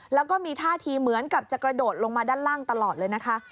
แล้วก็มีท่าทีเหมือนกับจะกระโดดลงมาด้านล่างตลอดเลยนะคะ